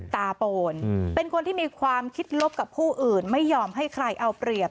โปนเป็นคนที่มีความคิดลบกับผู้อื่นไม่ยอมให้ใครเอาเปรียบ